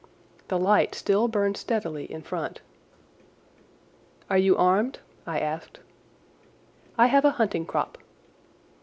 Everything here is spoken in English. The light still burned steadily in front. "Are you armed?" I asked. "I have a hunting crop."